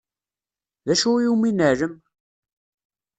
D acu iwumi neɛlem?